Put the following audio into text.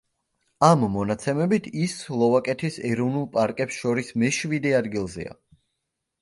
ამ მონაცემებით ის სლოვაკეთის ეროვნულ პარკებს შორის მეშვიდე ადგილზეა.